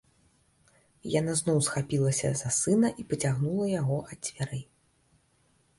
Яна зноў схапілася за сына і пацягнула яго ад дзвярэй.